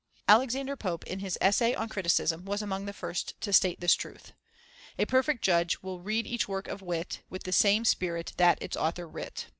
Alexander Pope, in his Essay on Criticism, was among the first to state this truth: A perfect judge will read each work of wit With the same spirit that its author writ.